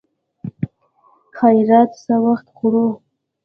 خيرات څه وخت خورو.